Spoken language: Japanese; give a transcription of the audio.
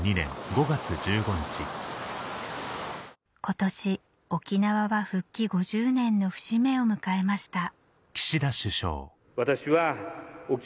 今年沖縄は復帰５０年の節目を迎えました